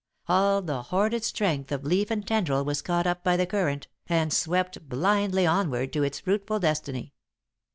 All the hoarded strength of leaf and tendril was caught up by the current, and swept blindly onward to its fruitful destiny.